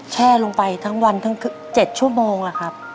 แช่ลงไปทั้งวันทั้ง๗ชั่วโมงอะครับ